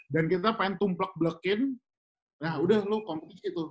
dan kita pengen tumplek blekin nah udah lo kompetisi tuh